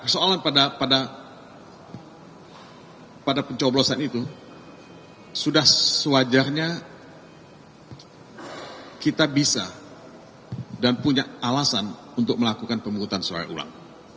soalnya pada pada pada pencoblosan itu sudah sewajarnya kita bisa dan punya alasan untuk melakukan pemurutan soal ulang